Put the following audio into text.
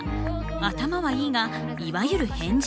頭はいいがいわゆる変人。